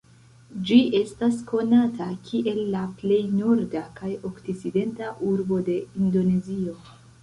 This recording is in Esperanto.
Ĝi estas konata kiel la plej norda kaj okcidenta urbo de Indonezio.